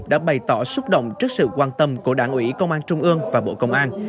đã bày tỏ xúc động trước sự quan tâm của đảng ủy công an trung ương và bộ công an